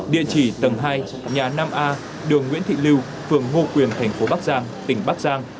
địa chỉ tầng hai nhà năm a đường nguyễn thị lưu phường ngô quyền thành phố bắc giang tỉnh bắc giang